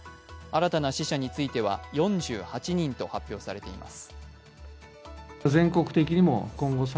新たな死者については４８人と発表されています。